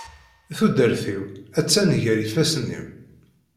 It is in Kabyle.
Tudert-iw attan gar ifassen-im.